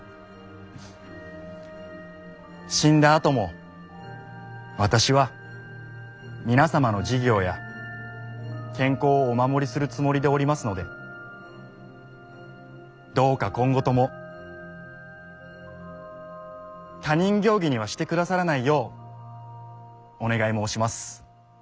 死んだあとも私は皆様の事業や健康をお守りするつもりでおりますのでどうか今後とも他人行儀にはしてくださらないようお願い申します。